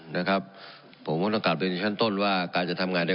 นะครับผมก็ต้องกลับเรียนชั้นต้นว่าการจะทำงานเนี่ย